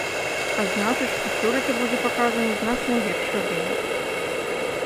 А значыць, што сёлета будзе паказаны значна лепшы вынік.